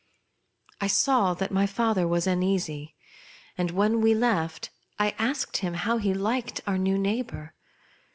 I saw that my father was uneasy ; and when we left, I asked him how he liked our new neighbour.